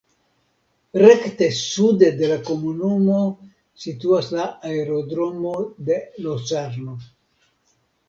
Rekte sude de la komunumo situas la aerodromo de Locarno.